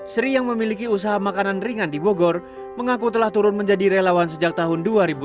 sri yang memiliki usaha makanan ringan di bogor mengaku telah turun menjadi relawan sejak tahun dua ribu sepuluh